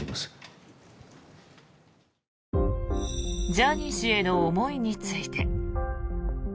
ジャニー氏への思いについて。